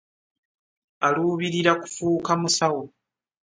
Aluubirira kufuuka musawo.